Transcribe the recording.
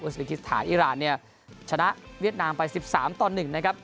อูสเบย์ที่ถ่ายอีรานเนี่ยชนะเวียดนามไป๑๓๑นะครับ